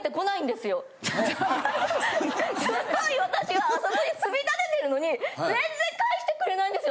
すっごい私はあそこに積み立ててるのに全然返してくれないんですよ。